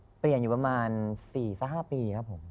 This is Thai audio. เปลี่ยนอยู่ประมาณ๔๕ปีครับผม